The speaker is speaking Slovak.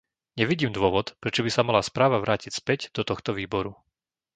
Nevidím dôvod, prečo by sa mala správa vrátiť späť do tohto výboru.